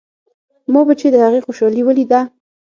ما به چې د هغې خوشالي وليده.